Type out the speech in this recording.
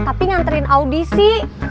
tapi nganterin audisi